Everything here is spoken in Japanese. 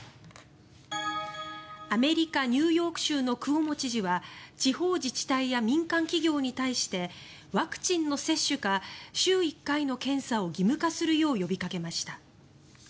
アメリカ・ニューヨーク州のクオモ知事は地方自治体や民間企業に対してワクチンの接種か週１回の検査を義務化するよう呼びかけました。